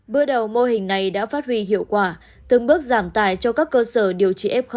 bước đầu mô hình này đã phát huy hiệu quả từng bước giảm tài cho các cơ sở điều trị f